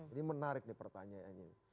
ini menarik nih pertanyaan ini